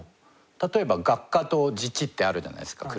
例えば学科と実地ってあるじゃないですか